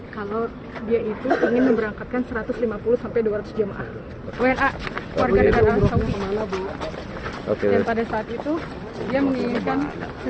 kalau dia itu ingin berangkatkan satu ratus lima puluh dua ratus jemaah warga negara saudi pada saat itu dia menginginkan